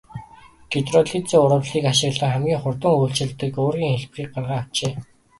Гидролизын урвалыг ашиглан хамгийн хурдан үйлчилдэг уургийн хэлбэрийг гарган авчээ.